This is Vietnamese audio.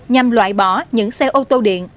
nhằm loại bỏ những xe ô tô điện